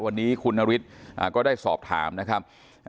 วันนี้คุณนฤทธิ์ก็ได้สอบถามนะครับ